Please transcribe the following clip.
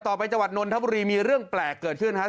ไปจังหวัดนนทบุรีมีเรื่องแปลกเกิดขึ้นครับ